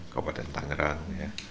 kabupaten tangerang ya